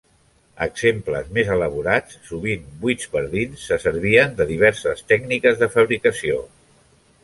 Exemples més elaborats, sovint buits per dins, se servien de diverses tècniques de fabricació.